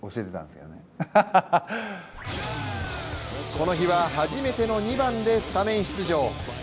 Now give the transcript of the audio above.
この日は初めての２番でスタメン出場。